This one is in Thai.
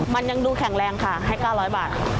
มันยังดูแข็งแรงค่ะให้๙๐๐บาท